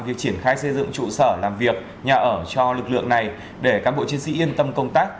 việc triển khai xây dựng trụ sở làm việc nhà ở cho lực lượng này để cán bộ chiến sĩ yên tâm công tác